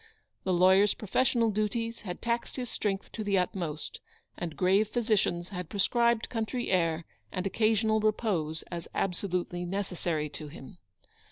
The lawyer's professional duties had taxed his strength to the utmost, and grave physicians had prescribed country air and occasional repose as absolutely necessary to him.